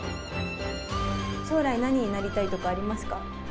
将来何になりたいとかありますか？